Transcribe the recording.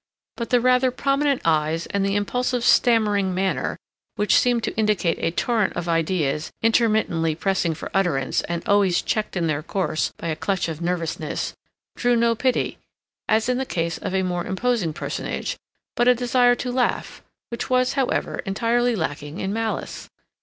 But the rather prominent eyes and the impulsive stammering manner, which seemed to indicate a torrent of ideas intermittently pressing for utterance and always checked in their course by a clutch of nervousness, drew no pity, as in the case of a more imposing personage, but a desire to laugh, which was, however, entirely lacking in malice.